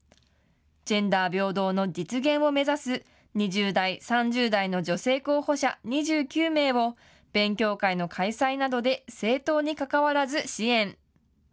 ジェンダー平等の実現を目指す２０代、３０代の女性候補者２９名を勉強会の開催などで政党にかかわらず支援。